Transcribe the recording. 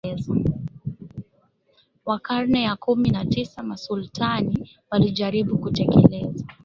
wa karne ya kumi na tisa Masultani walijaribu kutekeleza